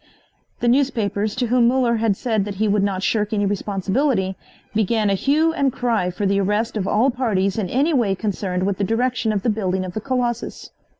The newspapers, to whom Muller had said that he would not shirk any responsibility, began a hue and cry for the arrest of all parties in any way concerned with the direction of the building of the Colossus.